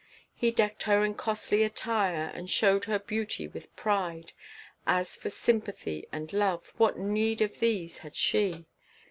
He decked her in costly attire, and showed her beauty with pride As for sympathy and love, what need of these had she?